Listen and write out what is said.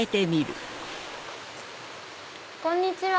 こんにちは。